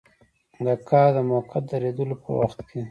د کار د موقت دریدلو په وخت کې.